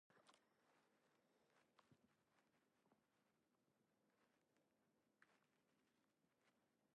心が広くて小さな物事にこだわらず、のびのびしているさま。何事にも束縛されることなく、自らの意志を遂行できる様子。度量が大きく、頼りがいのあるさま。